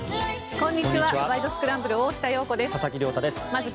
こんにちは。